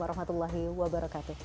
wa rahmatullahi wa barakatuh